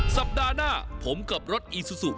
สัปดาห์หน้าผมกับรถอีซูซู